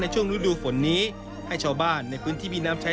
ช่วงฤดูฝนนี้ให้ชาวบ้านในพื้นที่มีน้ำใช้